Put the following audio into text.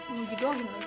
mau jadi dohin lagi